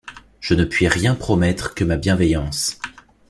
Je ne puis rien promettre, que ma bienveillance.